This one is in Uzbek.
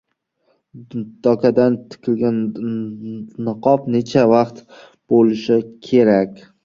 Dokadan tikilgan niqob necha qavat bo`lishi kerak?